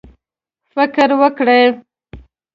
فکر وکړئ